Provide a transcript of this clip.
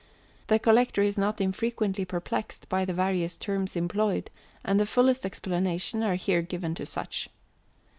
The Collector is not infrequently perplexed by the various terms employed, and the fullest explanations are here given of such.